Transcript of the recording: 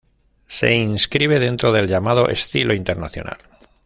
Se inscribe dentro del llamado estilo internacional.